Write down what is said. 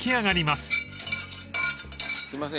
すいません